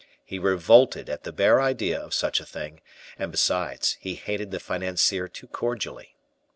He revolted at the bare idea of such a thing, and, besides, he hated the financier too cordially.